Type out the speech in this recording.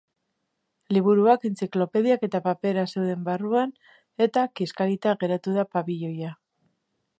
Liburuak, entziklopediak eta papera zauden barruan, eta kiskalita geratu da pabiloia.